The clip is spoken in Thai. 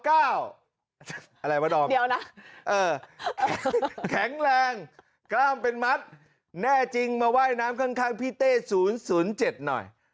อะไรวะดอมเดี๋ยวนะแข็งแรงกล้ามเป็นมัดแน่จริงมาว่ายน้ำข้างพี่เต้๐๐๗หน่อย